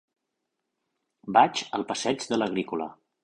Vaig al passeig de l'Agrícola.